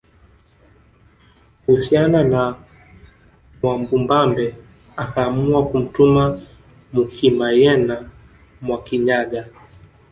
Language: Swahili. Kuhusiana na Mwamubambe akaamua kumtuma Mukimayena Mwakinyaga